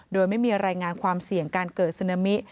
โดยไม่มีรายงานความเสี่ยงการเกิดซึนามิ